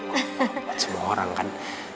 bukan semua orang kan